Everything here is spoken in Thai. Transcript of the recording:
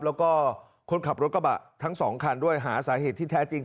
แล้วก็คนขับรถกระบะทั้งสองคันด้วยหาสาเหตุที่แท้จริง